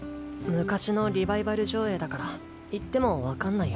昔のリバイバル上映だから言っても分かんないよ。